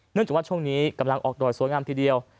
จากว่าช่วงนี้กำลังออกดอยสวยงามทีเดียว